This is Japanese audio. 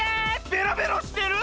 ベロベロしてる？